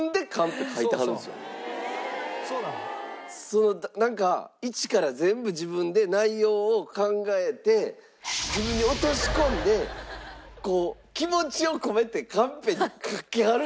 そのなんか一から全部自分で内容を考えて自分に落とし込んでこう気持ちを込めてカンペに書きはるんですよ